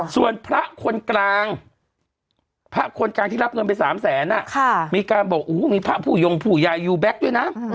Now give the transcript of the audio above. ส่วนพระคนกลางพระคนกลางที่รับเงินไป๓แสนมีการบอกมีพระผู้ยงผู้ใหญ่ยูแบ็คด้วยนะ